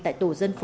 tại tổ dân phố